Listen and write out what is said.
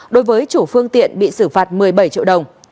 đối với chủ phương tiện bị xử phạt một mươi bảy triệu đồng